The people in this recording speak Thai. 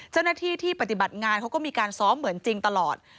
เจ้าหน้าที่ที่ปฏิบัติงานเขาก็มีการซ้อมเหมือนจริงตลอด